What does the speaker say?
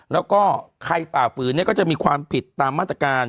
แล้วก็ไข้ป่าฟื้นเนี่ยก็จะมีความผิดตามมาตรการ